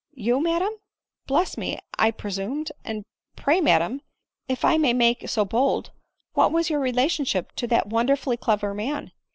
" Yqu, madam ! Bless me, I presumed ; and pray, madam — if I may make so bold— what was your rela tionship to that wonderfully clever man